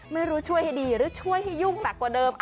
ช่วยให้ดีหรือช่วยให้ยุ่งหนักกว่าเดิม